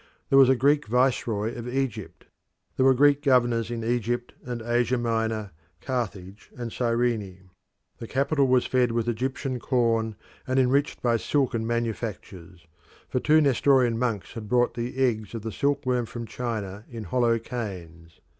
There was a Greek viceroy of Egypt: there were Greek governors in Egypt and Asia Minor, Carthage, and Cyrene. The capital was fed with Egyptian corn and enriched by silken manufactures for two Nestorian monks had brought the eggs of the silkworm from China in hollow canes.